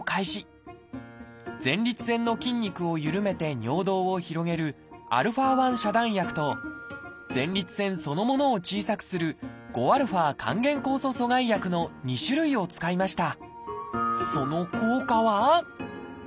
前立腺の筋肉をゆるめて尿道を広げるα遮断薬と前立腺そのものを小さくする５α還元酵素阻害薬の２種類を使いました。